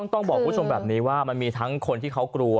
ต้องบอกคุณผู้ชมแบบนี้ว่ามันมีทั้งคนที่เขากลัว